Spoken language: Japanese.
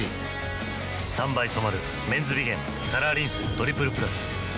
３倍染まる「メンズビゲンカラーリンストリプルプラス」